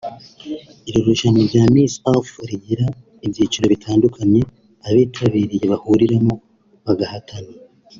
Iri rushanwa rya Miss Earth rigira ibyiciro bitandukanye abitabiriye bahuriramo bagahatana